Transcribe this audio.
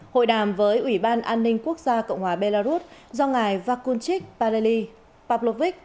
hội đàm với ủy ban an ninh quốc gia cộng hòa belarus do ngài vakulchik padeli pavlovich